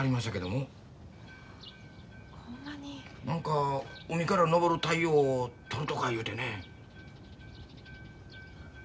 何か海から昇る太陽を撮るとか言うてね。